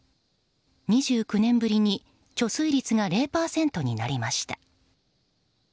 ２９年ぶりに貯水率が０％になりました。